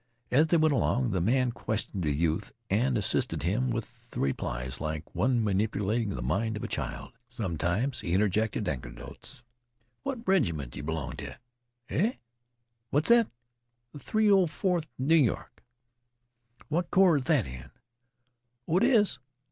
As they went along, the man questioned the youth and assisted him with the replies like one manipulating the mind of a child. Sometimes he interjected anecdotes. "What reg'ment do yeh b'long teh? Eh? What's that? Th' 304th N' York? Why, what corps is that in? Oh, it is?